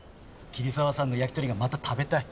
桐沢さんの焼き鳥がまた食べたい。